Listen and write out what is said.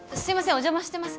お邪魔してます